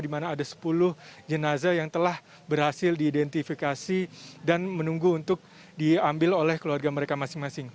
di mana ada sepuluh jenazah yang telah berhasil diidentifikasi dan menunggu untuk diambil oleh keluarga mereka masing masing